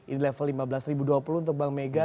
ini level lima belas dua puluh untuk bank mega